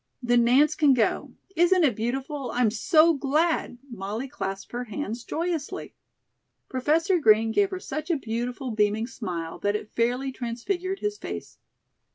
"Then Nance can go. Isn't it beautiful? I am so glad!" Molly clasped her hands joyously. Professor Green gave her such a beautiful, beaming smile that it fairly transfigured his face.